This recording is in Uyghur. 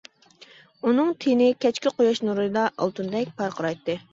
ئۇنىڭ تېنى كەچكى قۇياش نۇرىدا ئالتۇندەك پارقىرايتتى.